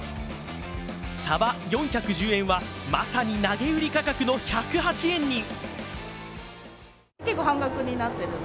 さば４１０円は、まさに投げ売り価格の１０８円に。